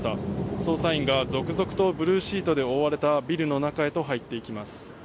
捜査員が続々とブルーシートで覆われたビルの中へと入っていきます。